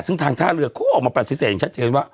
ซึ่งทางท่าเรือเขาก็ออกมาปฏิเสธอย่างชัดเจนว่า